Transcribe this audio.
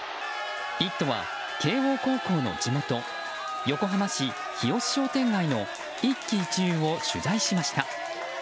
「イット！」は、慶應高校の地元横浜市日吉商店街の一喜一憂を取材しました。